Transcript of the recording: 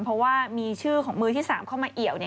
เพราะว่ามีชื่อของมือที่๓เข้ามาเอี่ยวเนี่ย